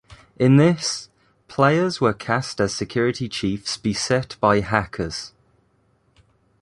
In this, players were cast as security chiefs beset by hackers.